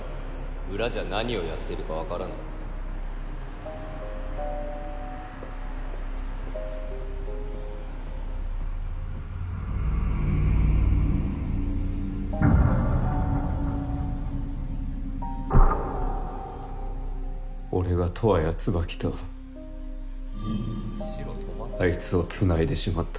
裏じゃ何をやってるか分からない俺が十和や椿とアイツを繋いでしまった。